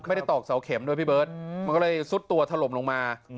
ตอกเสาเข็มด้วยพี่เบิร์ตมันก็เลยซุดตัวถล่มลงมา